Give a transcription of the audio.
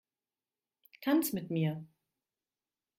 Tanz mit mir!